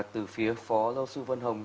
từ phía phó giáo sư vân hồng